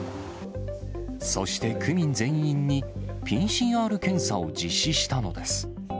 そして区民全員にＰＣＲ検査を実施したのです。